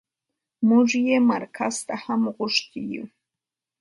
موږ يې مرکز ته هم غوښتي يو.